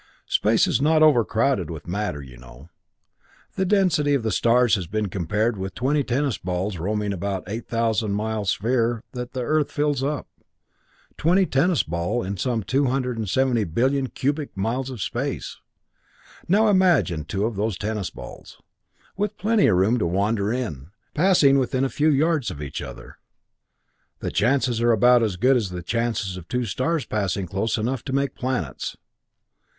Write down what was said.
Space is not overcrowded with matter, you know. The density of the stars has been compared with twenty tennis balls roaming about 8,000 mile sphere that the Earth fills up twenty tennis balls in some 270 billion cubic miles of space. Now imagine two of those tennis balls with plenty of room to wander in passing within a few yards of each other. The chances are about as good as the chances of two stars passing close enough to make planets.